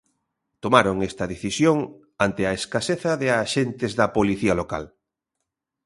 Tomaron esta decisión ante a escaseza de axentes da Policía Local.